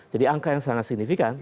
jadi angka yang sangat signifikan